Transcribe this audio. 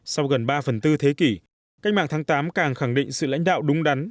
sau gần ba phần tư thế kỷ cách mạng tháng tám càng khẳng định sự lãnh đạo đúng đắn